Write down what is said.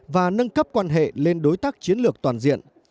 và nâng cấp quan hệ lên đối tác chiến lược toàn diện